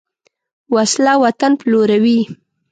وسله وطن پلوروي